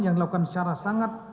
yang dilakukan secara sangat